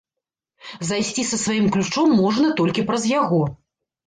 Зайсці са сваім ключом можна толькі праз яго.